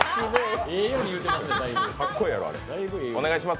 かっこええやろ。